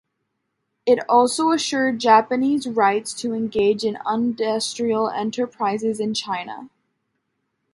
It also assured Japanese rights to engage in industrial enterprises in China.